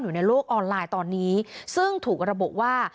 อยู่ในโลกออนไลน์ตอนนี้ซึ่งถูกระบุว่า